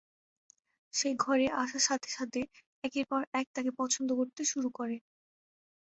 সে ঘরে আসার সাথে সাথে একের পর এক তাকে পছন্দ করতে শুরু করে।